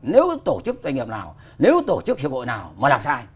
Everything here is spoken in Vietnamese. nếu tổ chức doanh nghiệp nào nếu tổ chức hiệp hội nào mà làm sai